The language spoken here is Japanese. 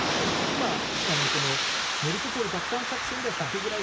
今、メリトポリ奪還作戦では１００ぐらい？